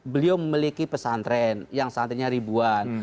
beliau memiliki pesantren yang santrinya ribuan